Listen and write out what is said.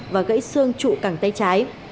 và gãy xương trụ cẳng tay trái